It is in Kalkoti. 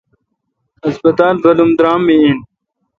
ہسپتالرل پر درام می این۔